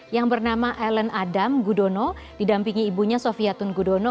yang bernama alan adam gudono didampingi ibunya sofia tun gudono